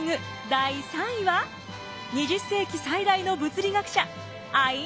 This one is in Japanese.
第３位は２０世紀最大の物理学者アインシュタイン。